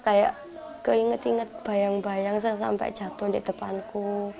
kayak keinget inget bayang bayang saya sampai jatuh di depanku